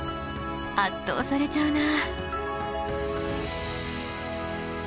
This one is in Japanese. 圧倒されちゃうなあ。